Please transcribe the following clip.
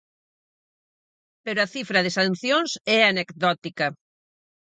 Pero a cifra de sancións é anecdótica.